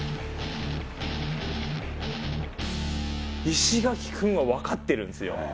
石垣くんは分かってるんですよ。